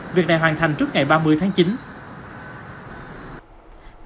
việc này hoàn thành trước ngày ba mươi tháng chín